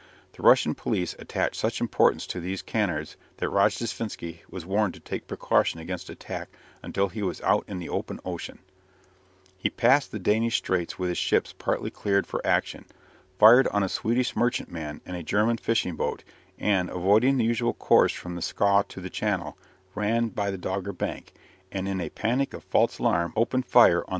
The Russian police attached such importance to these canards that Rojdestvensky was warned to take precaution against attack until he was out on the open ocean. He passed the Danish straits with his ships partly cleared for action, fired on a Swedish merchantman and a German fishing boat, and, avoiding the usual course from the Skaw to the Channel, ran by the Dogger Bank, and in a panic of false alarm opened fire on the steam trawling fleet, sinking a boat and killing and wounding several men.